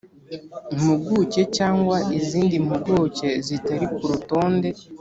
mpuguke cyangwa izindi mpuguke zitari ku rutonde